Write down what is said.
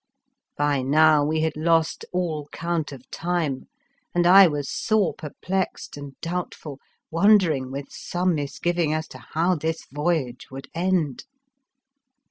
By now we had lost all count of time and I was sore perplexed and doubtful, wondering with some misgiv ing as to how this voyage would end.